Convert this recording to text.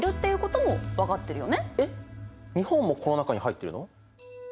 日本もこの中に入ってるの？